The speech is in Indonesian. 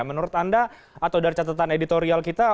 menurut anda atau dari catatan editorial kita